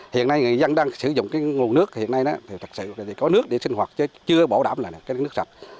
hiện nay người dân đang sử dụng nguồn nước hiện nay thì thật sự thì có nước để sinh hoạt chứ chưa bảo đảm là cái nước sạch